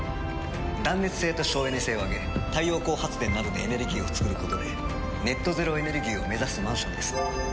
断熱性と省エネ性を上げ太陽光発電などでエネルギーを創ることでネット・ゼロ・エネルギーを目指すマンションです。